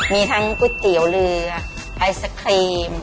มีทั้งก๋วยเตี๋ยวเรือไอศครีม